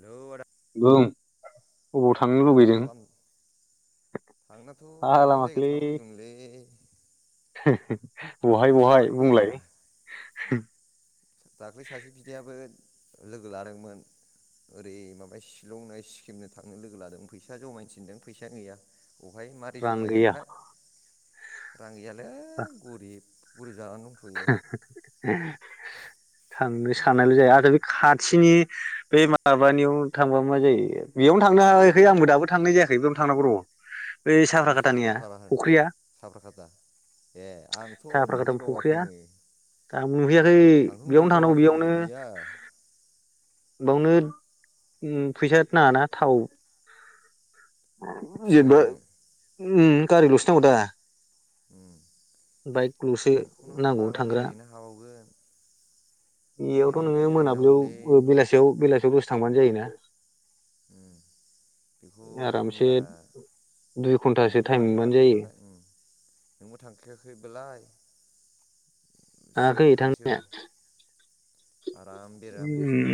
Hello आदा। बुं अबाव थांनो लुबैदों। थांनायाथ' गोबां जायगायाव थांनो लुबगैदोंलै। बहाय बहाय बुंलाय। मिलाया दाख्लै सासे बिदायाबो लोगो लादोंमोन। ओरै माबा शिलंनो सिक्किमनो थांनो लोगो लादोंमोन फैसा जमायनो थिनदों फैसायानो गैया। अहाय मारै रां गैया जमायगोनथाय रां गैयालै गरिब। फुरि जानांगौ। थांनो साननायल' जायो आरो बे खाथिनि बे माबानियाव थांबा मा जायो बेयावनो थांनो हायाखै आंबो दाबो थांनाय जायाखैबो। थांनांगौ र'। बै बे साफ्राखाथानिया सरलपारा फुख्रिया साफ्राखाथा ए आंथ' साफ्राखाथानि फुख्रिया नुहैबावाखै। खैनो दा नुहैयाखै आंथ' बेयावनो थांनांगौ नुहैबावाखै गैया। बेयावनो फैसा नाङाना थाव जेनेबा फ्रियावनो गारिल'सो नांगौ दा। ओम बाइकल'सो बेखौनो नांगौ माला थांग्रा बेरायहैनो हाबावगोन। बेयावथ' बेरायनायाथ' नोङो मोनाबिलियाव बेरायहैनांगौमोनलै बेलासियाव बेलासियाव दसे थांबानो जायोना। ओम बेखौ आरामसे होनबा दुइ घन्टासो नोंबो टाइम मोनबानो जायो थांखायाखैबालाय ओम। नोंबो थांखायाखैबालाय स्रो थांयाखै थांसै र' थांनाया। आराम बेरायना फैनोसै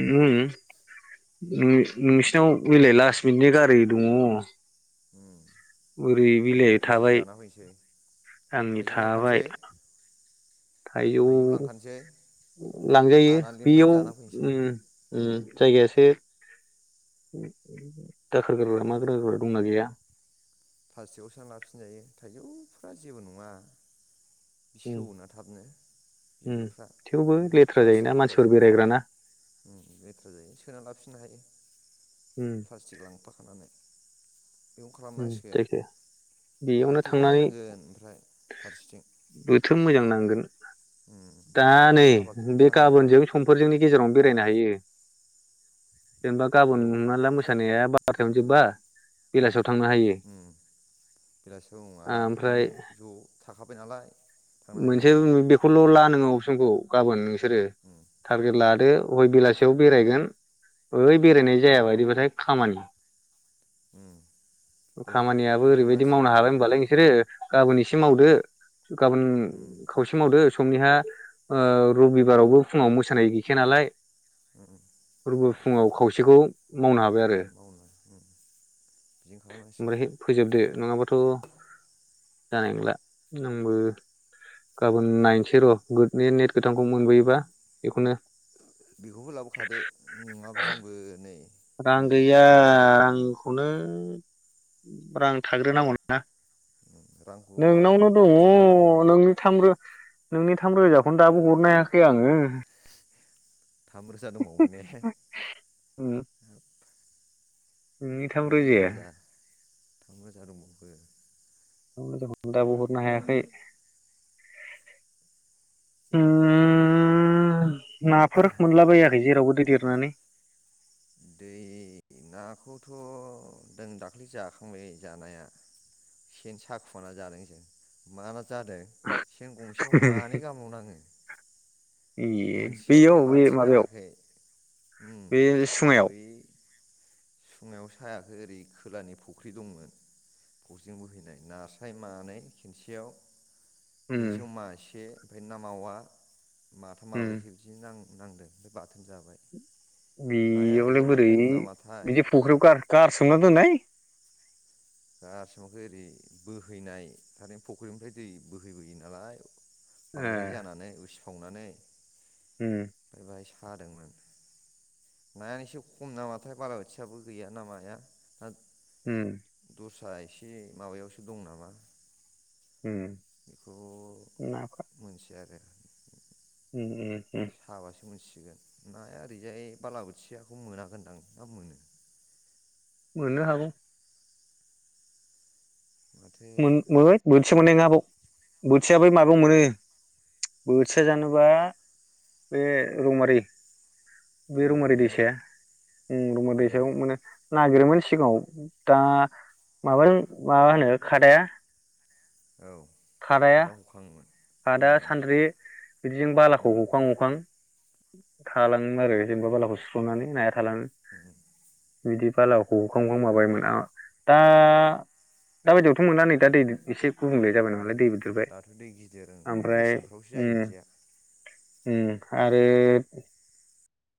नोंसिनाव मिलाय लास मिनिटनि गारि दङ। उम। बोरै थाइजौ बिलाइ खाजि थाबाय जाना फैनोसै आंनि थाइजौ थाबाय। लांखानोसै थाइजौ लांजायो हानानै लेमनानै बेयाव जाना फैनोसै ओम। उम जायगायासो दाखोर गारग्रा मा ओजाय गारग्रा दंना गैया। प्लास्टिकआव सोना लाबोफिनजायो थाइजौफ्रा जेबो नङा। उम सेवनो थाबनो उम बिगुरफ्रा थेवबो खिन्थु बे लेथ्रा जायोना मानसिफोर प्लास्टिकफोरासो गाज्रि जायो। बेरायग्राना लेथ्रा जायो सोना लाबोफिननो हायो। उम प्लास्टिक लांफाखानानै। बेखौ उम खालामनांसिगोन जायखिया बेयावनो बोथोरखौ थांनानै नायनांगोन ओमफ्राय फारसेथिं। बोथोर मोजां नांगोन उम दा बोथोरा नै अखा हाबा खिन्थु बे जानाय नङा गाबोनजों समफोरजोंनि गेजेरावनो बेरायनो हायो। जेनेबा औ गाबोन हमना ला मोसानाया बारथायावनो जोबबा उम बेलासियाव थांनो हायो बेलासियाव आराम ओमफ्राय थांनानै ज' थाखाबाय नालाय। थांनो हायो मोनसे ओं बेखौल' ला नोङो अबसनखौ गाबोन नोंसोरो उम टारगेट लादो हय बेलासियाव बेरायगोन। ओइ बेरायनाय जाया बायदिबाथाय खामानि उम बेखौनो खामानियाबो ओरैबायदि खालामनांसिगोन मावनो हागोन होनबालाय नोंसोरो। गाबोन एसे मावदो गाबोन। उम खावसे मावदो समनिहा रबिबारावबो फुङाव मोसानाय गैखाया नालाय। उम रबिबार फुङाव खावसेखौ मावनो हाबाय आरो मावनो उम बिदिनो खालामनांसिगोन ओमफ्राय फोजोबदो नङाबाथ' जानाय नंला आंबो। गाबोन नायनोसै र' नेट गोथांखौ मोनबोयोबा बेखौनो बेखौबो लाबोखादो नङाबो जोंबो नै रां न'आव गैया न'आव रांखौनो रां थाग्रोनांगौना। रांखौ नोंनावनो माबायाखै दङ दिरुनाखै नामा नोंनि थाम रो। नोंनि थाम रोजाखौनो दाबो हरनो हायाखै आङो थाम रोजा दंबावोमोन ने। उम नोंनि थाम रोजाया रोजा थामरोजा दंबावो। दाबो हरनो हायाखै। [inaudible] उम नाफोर मोनला बाखै जेरावबो दै देरनानै। दै नाखौथ' जों दाख्लै जाखांबाय जानाया। सेन साखुमा जादों जों मा मा जादों। सेन गंसेयाव मानै गाहामल' नाङो। ए बेयाव मोनसेयावथ' बे मासे माबायाव नाङाखै उम। बे सुङायाव बै सुआयाव साहायाखै ओरै खोलानि फुख्रि दंमोन। बोहैनाय नास्राय मानै खिनसेयाव उम खिनसेयाव मासे ओमफ्राय ना मावा माथाम उम माब्रैसो बिदि नां नांदो ओमफ्राय बाथोन जाबाय। नाया बेयावलाय ओरैजाय बोरै खम नामाथाय बिदि फुख्रियाव गारसोमना दोननाय। गारसोमाखौ ओरै बोहैनाय थारै फख्रिनिफ्राय दै बोहैबोयो नालाय। बांद्राय ए जानानै उसिफावनानै। उम। ओमफ्राय बेहाय सादोंमोन। नायानो एसे खम नामाथाय बालाबोथियाबो गैयाना माया। उम। दस्रा एसे माबायावसो दं नामा। उम बेखौ नाफा मोनथिया आरो। [unintelligible] हाबासो मोनसिगोन नाया ओरैजाय बाला बोथियाखौ मोनागोनदां ना मोनो? मोननो हागौ। माथो मोन [unintelligible] बोथिया मोननाय नङा बाव बोथिया बै माबायाव मोनो बोथिया जानोबा बे रौमारि बे दमोरियाव रौमारि ने दैसाया उम रौमारि ए दैसायाव मोनो। नागिरोमोन सिगाङाव दा माबाहै मा होनो खादाया औ खादाया खादां हखाङोमोन उम खादा सानद्रि बिदिजों उम बालाखौ हखां हखां थालाङो आरो जेनेबा बालाखौ सुस्रनानै नाया थालाङो। उम इदि बालाखौ दा हखां हखां माबायमोन आ दा दा बायदियावथ' मोनला नै दा दै एसे गुबुंले जाबाय दायो नामालाय दै दैबो देरबाय दाथ' दै गिदिर ओं बे ओमफ्राय मेसेंफ्रावसो जायो उम। बिदिया उम आरो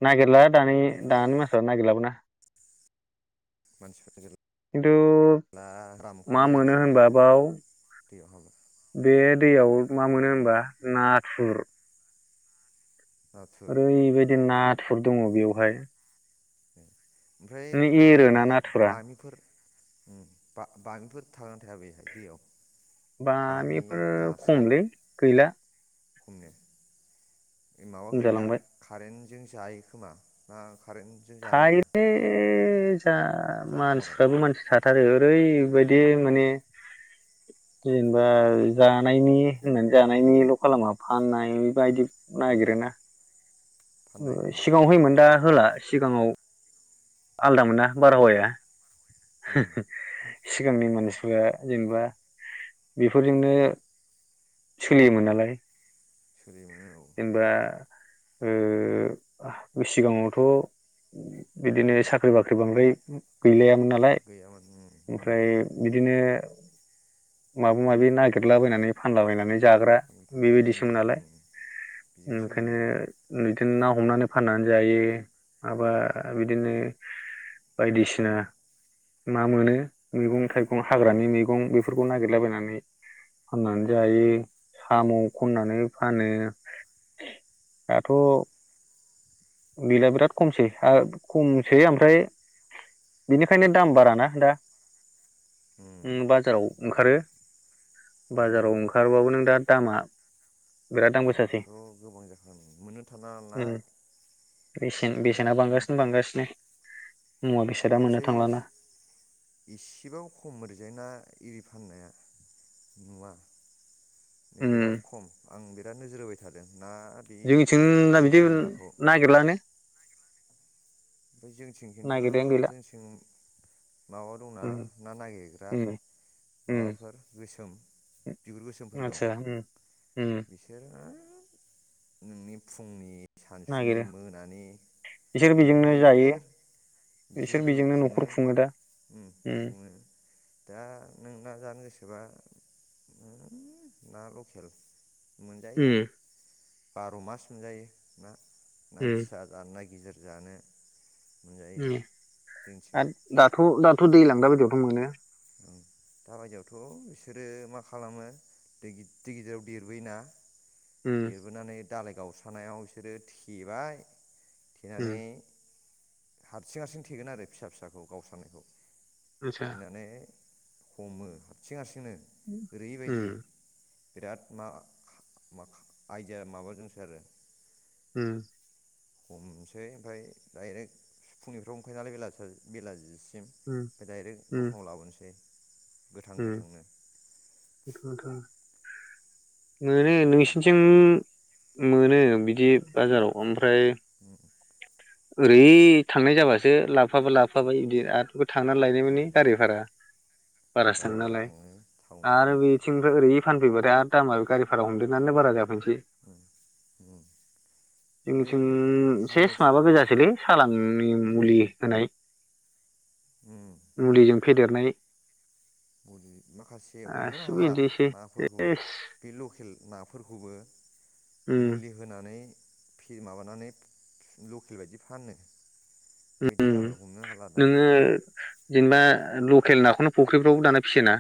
नागेरला दानि दानि मानसिफ्रा नागिरलाबोना। [unintelligible] खिन्थु मा मोनो होनबा बाव दैयाव हाबो बे दैयाव मा मोनो होनबा नाथुर। नाथुर ओरैबायदि नाथुर दङ ओमफ्राय बेवहाय। ओमफ्राय माने मा एरोना बाहाय नाथुरा बामिफोर उम बा-बामिफोर थागोना थाया बेैहाय दैयाव? बामि बामिफोर खमलै गैला। खमने? ए माबा खम होयोनोदां जालांबाय खारेन्टजों जायो खोमा ना खारेन्ट थायोलै जा जाखुमागोन मानसिफ्राबो मानसि था थारो ओरैबायदि माने जेनेबा जानायनि होननानै जानायनिल' खालामा फाननाय बेबायदि ए नागिरोना। ओ फाननायनि सिगाङाव होयोमोन दा आरो होला सिगाङाव आलदामोनना बारहावाया। उम सिगांनि मानसिफोरा जेनेबा बेफोरजोंनो सोलियोमोन नालाय। सोलियोमोन औ। जेनेबा ओ सिगाङावथ' बिदिनो साख्रि बाख्रि बांद्राय गैलायामोन नालाय गैयामोन उम उम ओमफ्राय बिदिनो माबा माबि नागिरलाबायनानै फानलाबायनानै जाग्रा फानलु फानला बेबायदिसोमोन फानलुजों नालाय बिजों ओंखायनो सोलियोमोन नैथोन ना हमनानै फाननानै जायो माबा बिदिनो बायदिसिना मा मोनो मैगं थाइगं उम हाग्रानि मै गं बेफोरखौ नागिरलाबायनानै फाननानै जायो साम' खननानै फानो। दाथ' गैला बिराद खमसै आ खम सै ओमफ्राय बिनिखायनो दाम बाराना दा। उम बाजाराव बेनो ओंखारो बाजाराव ओंखारबाबो नों दा दामा बिराद दाम गोसासै दामाथ' गोबां जाखागोन मोननो थाङा उम नालाय बेसेन बेखायनो बेसेना दामा बांगासिनो आंथ' बांगासिनो मुवा बेसादा मोननो ओरैजाय थांलाना इसेबाबो खम एरैजायना ना एरि फाननाया नुवा नै उम बिराद खम आं बिराद नोजोर होबाय थादों ना बे जोंनिथिं बिदि लकेल नाखौ नागिरलानो ओमफ्राय जोंथिं खिन्थु नागिरनायानो गैला जोंथिं माबा दंना ना नागिरग्रा माबाफोर गोसोम बिगुर गोसोमफोर दं। ओम बिसोरो [unintelligible] नोंनि फुंनि सानसुनि नागिरो मोनानि बिसोर दैयाव बेजोंनो जायो बिसोर बेजों बिसोर जिउ बेजोंनो खुङो न'खर दा उम [unintelligible] ओ दा नों ना जानो गोसोबा [unintelligible] ना लखेल उम मोनजायो बार' मास मोनजायो ना ना उम फिसा जानोना गिदिर जानो मोनजायो ओम जोंनिथिं आरो दाथ' दाथ' दैलां दा बायदियावथ' मोनो ओम दा बायदियावथ' बिसोरो मा खालामो दै गिदिर गिदिराव देरबोयोना उम देरबोनानै दालाय गावस्रानायाव बिसोरो थेबाय उम थेनानै हारसिं हारसिं थेगोन आरो फिसा फिसाखौ गावस्रानायखौ आतसा थेनानै हमो हारसिं हारसिंनो उम ओरैबायदि उम बिराद मा मा आयदिया माबा दंसोगारो उम हमसै ओमफ्राय डाइरेक्ट फुंनिफ्रायनो हमखायो नालाय बेला बेलाजिसिम उम ओमफ्राय डाइरेक्ट दखानाव लाबोनोसै गोथां उम गोथांनो [inaudible] मोनो बेबायदि खालामो नोंसिनिथिं मोनो बिदि बाजाराव ओमफ्राय उम ओरै थांनाय जाबासो लाबोफाबा लाबोफाबाय बिरादबो थांनानै लायबाय उम माने गारि भारा बारासो बारे थाङो बारे नालाय टाउन आरो उम बे थिंनिफ्राय ओरै फानफैबायथाय आरो दामा गारि भारा हमदेरनानै बारा जाफैनोसै उम उम बियो जोंनिथिं सेस बिजनेस माबा गोजासोलै सालांनि मुलि होनाय उम मुलिजों फेदेरनाय मुलि माखासे हमनोनो गासिबो हाला बिदिसै नाफोरखौ सेस बै लकेल नाफोरखौबो उम मुलि होनानै फे माबानानै लकेल बायदि फानो। उम [unintelligible] दा नोङो जेनेबा लकेल नाखौनो फुख्रिफ्रावबो दाना फियोना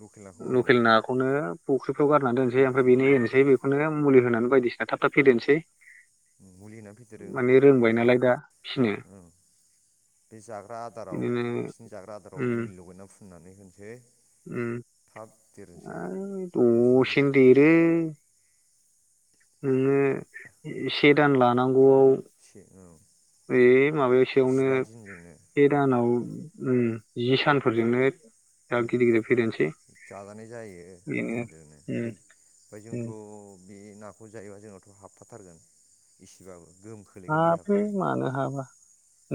लकेल नाखौ औ लकेल नाखौनो फुख्रिफ्राव गारनानै दोनसै फख्रियाव ओमफ्राय बेनो फिसिफिनो एरनोसोय बे [unintelligible] मुलि होनानै बायदिसिना थाब थाब फेदेरनोसै ओम मुलि होना फेदेरो ओम माने रोंबाय बेया नालाय दा फिसिनो ओम। बे जाग्रा आदाराव बिदिनो बिसिनि जाग्रा आदाराव उम मुलि लगायनानै फुननानै होनोसै। उम थाब आ देरनोसै बिदिनो द'सेेन देरो। नोङो से दान लानांगौआव से औ। बे माबा सेयावनो जिबा दिनजोंनो से दानाव ओम जि सानफोरजोंनो दा गिदिर ओम गिदिर फेदेरनोसै जाजानाय जायो, बेनो गिदिर गिदिरनो उम ओमफ्राय ओमफ्राय उम जोंथ' बे नाखौ जायोबा जोंनावथ' हाबफाथारगोन इसेबाबो गोहोम खोलैगोन हाबो देहाखौ मानो हाबा।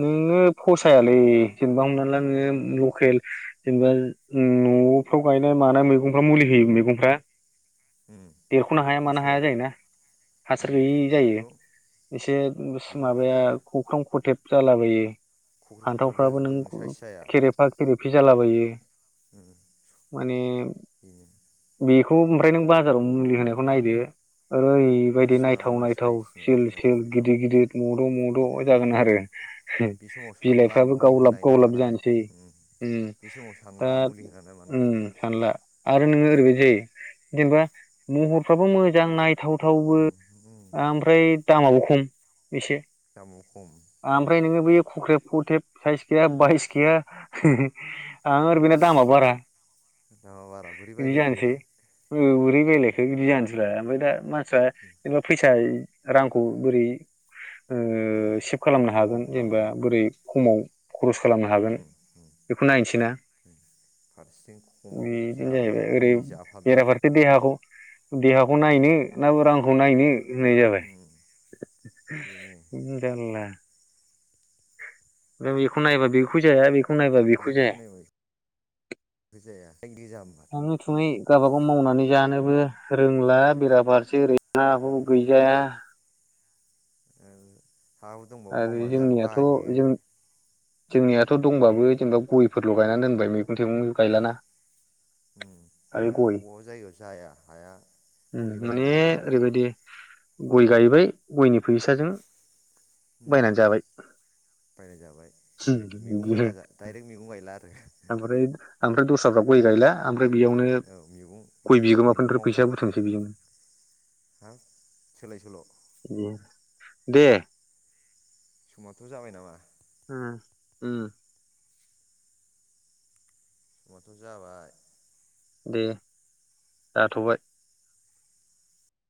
नोंनो फसायालै, जेनेबा हमना ला नोङो लकेल जेनेबा न'आवफ्राव गायनाय मानाय मैगंफ्रा मुलि होयै मैगंफ्रा। देरख'नो हाया मानो हाया फसाया जायोना हासार गैयि बिदिखौथ' जायो। एसे [unintelligible] बेखौ माबाया खख्रां खथेब जालाबायो। खख्रि खख्राब फानथावफ्राबो जाजोबो नों साइस जाया खेरेफा खेरेफि जालाबायो। ओम। माने [unintelligible] बेखौ ओमफ्राय नों बाजाराव मुलि होनायखौ नायदो ओरै बायदि नायथाव इसिबां नायथाव साइसनो सिल नायथाव सिल नायथाव गिदिर गिदिर मद' मद' गिदिरनो जागोन आरो बे बिलाइफ्राबो गावलाब गावलाब जानोसै। ओम बे समाव सानला दा मुलि होनाय ना उम मानाय। सानला आरो नोङो ओरैबायदि जायो जेनेबा महरफ्राबो मोजां नाय थाव थावबो उम उम आमफ्राय दामाबो खम एसे दामाव खम उम आमफ्राय नोङो बे खुख्रेब खथेब साइस गैया बायस गैया आरो बेना दामा बारा दामा बारा बोरै बिदि बायलायखो जानोसै। औ बोरै बायलायखो बिदि जानोसैलाय आमफ्राय दा मानसिफ्रा जेनेबा फैसा रांखौ बोरै औ ओ सेभ खालामनो हागोन खमावब्लानो जेनेबा बोरै खमाव खरस खालामनो हागोन उम उम बेखौ नायनोसै ना। फारसेथिं खमाव बिदिनो जादो जाहैबाय ओरै मुलि जाफादो। [unintelligible] देहाखौ देहाखौ नायनो ना रांखौ नायनो होननाय जाबाय। ओम। [inaudible] जारला। दा बेखौ नायबा बेखौ जाया बेखौ नायबा बेहा जाया बेखौ नाय [inaudible] जाया [inaudible] थाङै थुङै गावबागाव मावनानै जानोबो रोंला। बेराफारसे ओरै हा हु रोंला गैजाया। ओ हा हु दंबाबो आरो मावना जानो जोंनियाथ' बायो। जों जोंनियाथ' दंबाबो जेनेबा गयफोरल' गायनानै दोनबाय मैगं थाइगं गायलाना। ओम आरो अबा जायगायाव जाया हाया। ओम मुलि माने बायनांगौ जाथारो ओरैबायदि गय गायबाय गयनि फैसाजों उम बायनानै जाबाय बायना जाबाय, बेबायदि मैगं गायला दाइरेक्ट मैगं गायला आरो। आमफ्राय आमफ्राय दस्राफ्रा गइ गायला। आमफ्राय बियावनो औ मैगं गइ मैगं बिगोमाफोरनिफ्राय फैसा बुथुमसै बिजोंनो। थां सोलाय सोल' उम दे। समाथ' जाबाय नामा? उम उम। समाथ' जाबाय। दे जाथ'बाय।